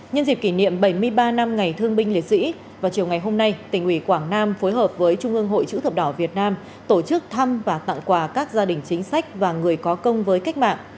nhân dịp kỷ niệm bảy mươi ba năm ngày thương binh liệt sĩ vào chiều ngày hôm nay tỉnh ủy quảng nam phối hợp với trung ương hội chữ thập đỏ việt nam tổ chức thăm và tặng quà các gia đình chính sách và người có công với cách mạng